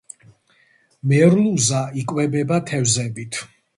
მერლუზა იკვებება თევზებით.